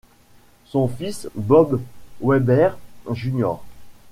Son fils Bob Weber, Jr.